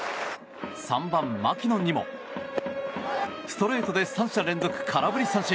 ３番、マキノンにもストレートで３者連続空振り三振。